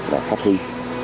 là phát huy